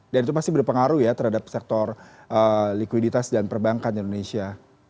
dan itu pasti berpengaruh ya terhadap sektor likuiditas dan perbankan di indonesia